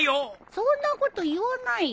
そんなこと言わないよ。